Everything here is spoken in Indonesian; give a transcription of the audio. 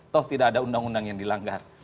toh tidak ada undang undang yang dilanggar